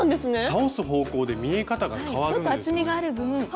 倒す方向で見え方が変わるんですよね。